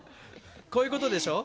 こういうことでしょ？